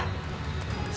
sebagai seorang ibu